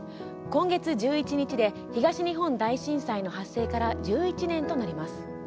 今月１１日で東日本大震災の発生から１１年となります。